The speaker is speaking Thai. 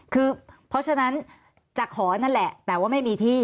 คือเพราะฉะนั้นจะขอนั่นแหละแต่ว่าไม่มีที่